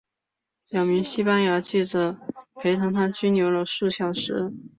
两名西班牙记者陪同她拘留了数小时。